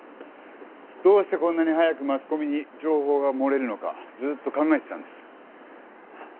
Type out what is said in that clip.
どうしてこんなに早くマスコミに情報が漏れるのかずっと考えてたんです。